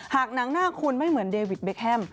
หนังหน้าคุณไม่เหมือนเดวิดเบคแฮม